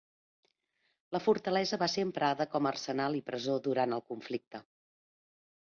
La fortalesa va ser emprada com a arsenal i presó durant el conflicte.